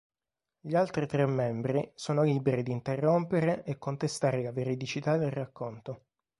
Gli altri tre membri sono liberi di interrompere e contestare la veridicità del racconto.